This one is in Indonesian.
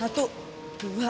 papi kanda mengelaran